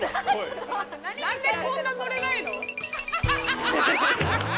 何でこんな乗れないの？